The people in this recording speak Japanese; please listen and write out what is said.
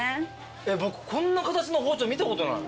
僕こんな形の包丁見たことない。